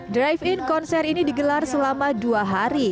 drive in konser ini digelar selama dua hari